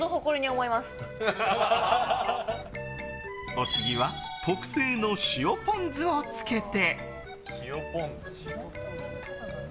お次は特製の塩ポン酢をつけて。